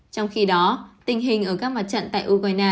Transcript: trong khi đó tình hình ở các mặt trận tại ukraine